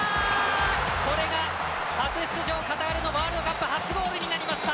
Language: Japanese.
これが初出場カタールのワールドカップ初ゴールになりました。